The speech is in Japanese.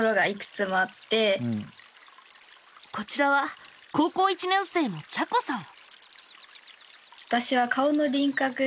こちらは高校１年生のちゃこさん。